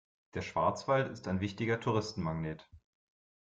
Der Schwarzwald ist ein wichtiger Touristenmagnet.